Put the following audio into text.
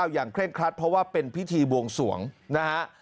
เคร่งครัดเพราะว่าเป็นพิธีบวงสวงนะฮะ